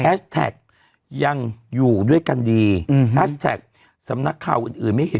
ยังอยู่ด้วยกันดีอืมแฮชแท็กสำนักข่าวอื่นอื่นไม่เห็น